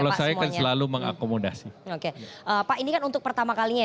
kalau saya selalu mengakomodasi oke pak ini kan untuk pertama kalinya yang ini akan bergabung gabung